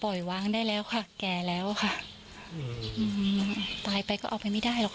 วางได้แล้วค่ะแก่แล้วค่ะอืมตายไปก็เอาไปไม่ได้หรอกค่ะ